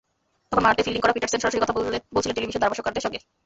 তখন মাঠে ফিল্ডিং করা পিটারসেন সরাসরি কথা বলছিলেন টেলিভিশন ধারাভাষ্যকারদের সঙ্গে।